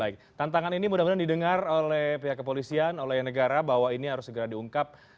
baik tantangan ini mudah mudahan didengar oleh pihak kepolisian oleh negara bahwa ini harus segera diungkap